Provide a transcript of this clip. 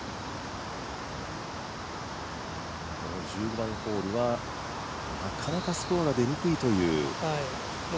この１５番ホールはなかなかスコアが出にくいという。